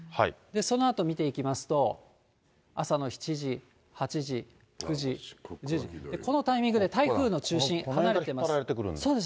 そのあと見ていきますと、朝の７時、８時、９時、１０時、このタイミングで台風の中心、離れてま引っ張られてくるんだ。